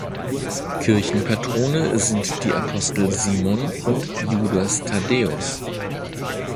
Kirchenpatrone sind die Apostel Simon und Judas Thaddäus.